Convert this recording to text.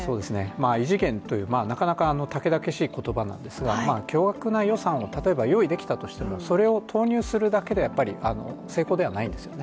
異次元というなかなかたけだけしい言葉なんですが巨額な予算を例えば用意できたとしてもそれを投入するだけでは成功ではないんですよね。